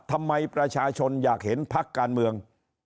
ทำไมประชาชนอยากเห็นพักการเมือง